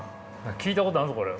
聞いたことあんぞこれ。